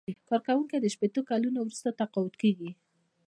کارکوونکی له شپیته کلونو وروسته تقاعد کیږي.